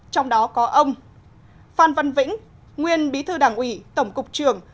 trong đó có ông phan văn vĩnh nguyên bí thư đảng ủy tổng cục trưởng